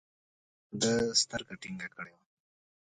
ده سترګه ټينګه کړې وه.